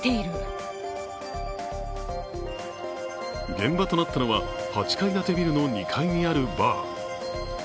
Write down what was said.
現場となったのは８階建てビルの２階にあるバー。